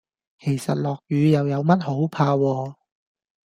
其實落雨又有乜好怕喎